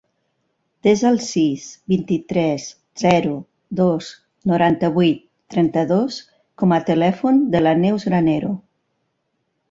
Desa el sis, vint-i-tres, zero, dos, noranta-vuit, trenta-dos com a telèfon de la Neus Granero.